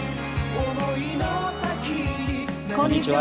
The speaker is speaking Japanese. こんにちは。